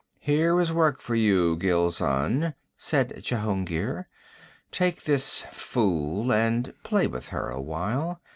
'Here is work for you, Gilzan,' said Jehungir. 'Take this fool, and play with her awhile.